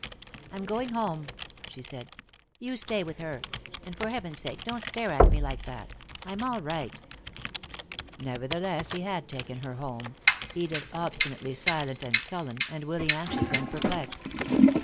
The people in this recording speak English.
"I'm going home," she said. "You stay with her. And for heaven's sake don't stare at me like that. I'm all right." Nevertheless he had taken her home, Edith obstinately silent and sullen, and Willy anxious and perplexed.